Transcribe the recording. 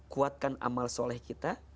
kuatkan amal soleh kita